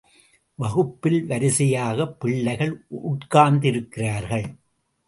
வகுப்பில் வரிசையாக பிள்ளைகள் உட்கார்ந்திருக்கிறார்கள்.